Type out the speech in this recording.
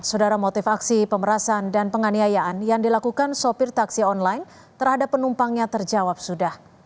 saudara motif aksi pemerasan dan penganiayaan yang dilakukan sopir taksi online terhadap penumpangnya terjawab sudah